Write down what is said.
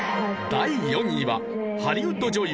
第４位はハリウッド女優